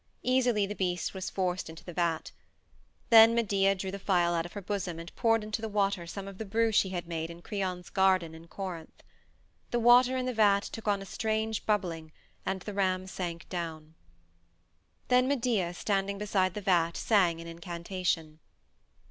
Easily the beast was forced into the vat. Then Medea drew the phial out of her bosom and poured into the water some of the brew she had made in Creon's garden in Corinth. The water in the vat took on a strange bubbling, and the ram sank down. Then Medea, standing beside the vat, sang an incantation.